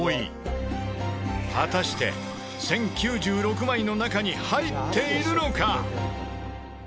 果たして１０９６枚の中に入っているのか？